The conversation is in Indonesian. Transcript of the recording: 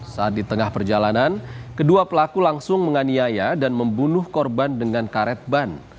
saat di tengah perjalanan kedua pelaku langsung menganiaya dan membunuh korban dengan karet ban